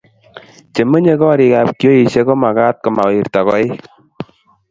che menye korik ab kioisheck komakat komawirta koek